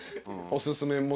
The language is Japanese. おすすめも